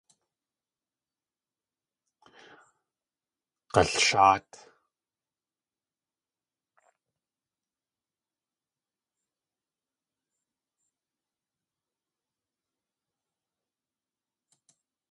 G̲alsháat!